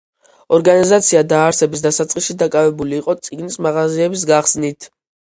ორგანიზაცია დაარსების დასაწყისში დაკავებული იყო წიგნის მაღაზიების გახსნით.